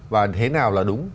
và thế nào là đúng